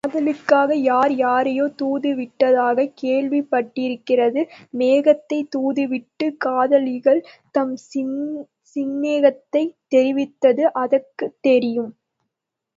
காதலுக்காக யார் யாரையோ தூதுவிட்டதாகக் கேள்விப்பட்டிருக்கிறது மேகத்தைத் தூதுவிட்டுக் காதலிகள் தம் சிநேகத்தைத் தெரிவித்தது அதுக்குத் தெரியும்.